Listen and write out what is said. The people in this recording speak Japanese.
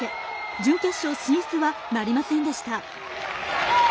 準決勝進出はなりませんでした。